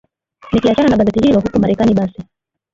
nikiachana na gazeti hilo huko marekani basi